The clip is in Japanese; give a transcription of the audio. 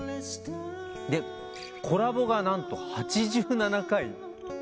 でコラボが何と８７回。